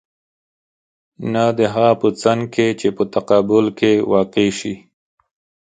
نه د هغه په څنګ کې چې په تقابل کې واقع شي.